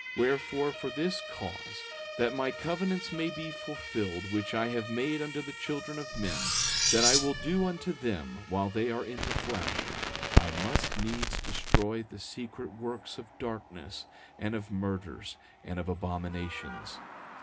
10:15 Wherefore, for this cause, that my covenants may be fulfilled which I have made unto the children of men, that I will do unto them while they are in the flesh, I must needs destroy the secret works of darkness, and of murders, and of abominations.